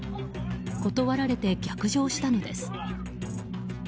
断られて逆上したのです。